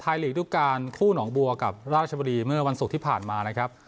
หลีกดูการคู่หนองบัวกับราชบุรีเมื่อวันศุกร์ที่ผ่านมานะครับ